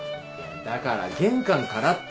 だから玄関からって。